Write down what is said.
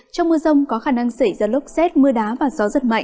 trong mưa rông có khả năng xảy ra lốc xét mưa đá và gió giật mạnh